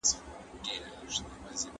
دا مربع ده.